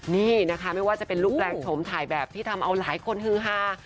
นี่นะคะไม่ว่าจะเป็นลูกแรงชมถ่ายแบบที่ทำเอาหลายคนฮือฮา